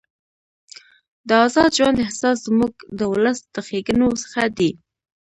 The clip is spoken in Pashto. د ازاد ژوند احساس زموږ د ولس له ښېګڼو څخه دی.